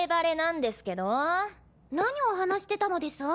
何を話してたのデス？